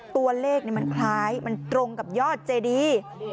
ตัวเลขมันคล้ายมันตรงกับยอดเจดี